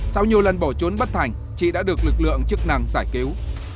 sau nhiều lần bỏ trốn bất thành chị đã được lực lượng chức năng giải cứu